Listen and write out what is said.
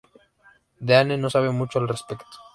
Deane no sabe mucho al respecto.